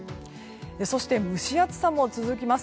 そして、蒸し暑さも続きます。